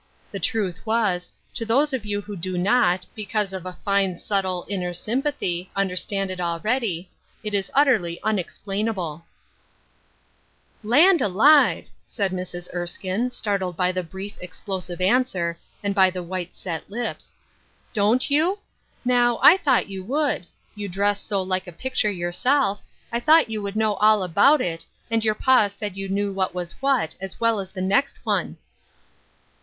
The truth is, to those of you who do not, because of a fine subtle, inner sympathy, undsrstand it already, it is utterly unexplain able 68 Ruth Erskine's Crosses, " Land alive I " said Mrs. Erskine, startled by the brief, explosive answer, and by the white, set lips, "don't you? Now, I thought you would. You dress so like a picture yourself, I thought you would know all about it, and your pa said you knew what was what as well as the next one."